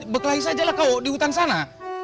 berkelahi saja lah kau di hutan sana